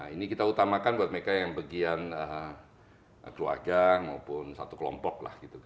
ini kita utamakan buat mereka yang bagian keluarga maupun satu kelompok lah